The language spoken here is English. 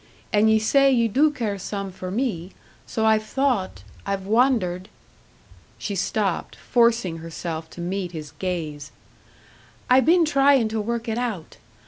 And ye say you do care some for me. So I've thought I've wondered " She stopped, forcing herself to meet his gaze: "I been tryin' to work it out!